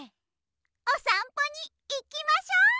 おさんぽにいきましょ！